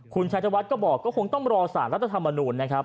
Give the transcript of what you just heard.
คุณชัยธวัฒน์ก็บอกก็คงต้องรอสารรัฐธรรมนูญนะครับ